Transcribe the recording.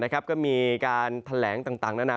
ก็มีการแถลงต่างนานา